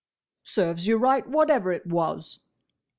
"Serves ye right, whatever it was!"